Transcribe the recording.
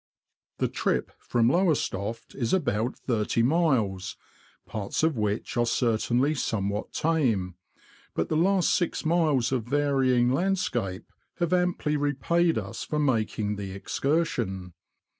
The trip from Lowestoft is about thirty miles, parts of which are certainly somewhat tame ; but the last six miles of varying landscape have amply repaid us for making the excursion.